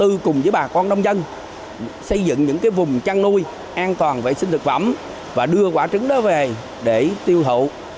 chúng tôi cùng với bà con nông dân xây dựng những cái vùng trăn nuôi an toàn vệ sinh thực phẩm và đưa quả trứng đó về để tiêu hậu